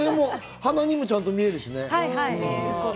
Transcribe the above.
鼻にもちゃんと見えるしね。